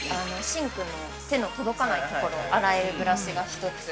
シンクの手の届かない所を洗えるブラシが１つ。